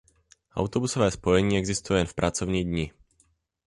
Autobusové spojení existuje jen v pracovní dni.